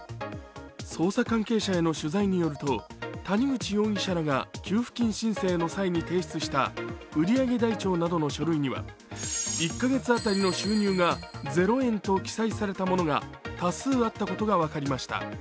捜査関係者への取材によると谷口容疑者らが給付金申請の際に提出した売上台帳などの書類には１カ月当たりの収入が０円と記載されたものが多数あったことが分かりました。